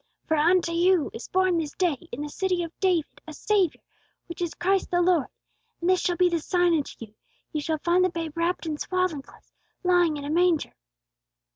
For unto you is born this day in the city of David a Saviour, which is Christ the Lord. And this shall be a sign unto you; Ye shall find the babe wrapped in swaddling clothes, lying in a manger.'